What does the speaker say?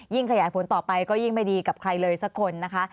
ขยายผลต่อไปก็ยิ่งไม่ดีกับใครเลยสักคนนะคะ